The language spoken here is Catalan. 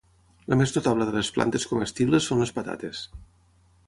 La més notable de les plantes comestibles són les patates.